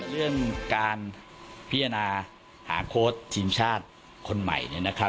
เรื่องการพิจารณาหาโค้ชทีมชาติคนใหม่